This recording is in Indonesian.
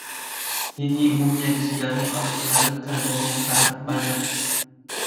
Tingey umumnya disegani oleh tenaga kerjanya yang sangat banyak.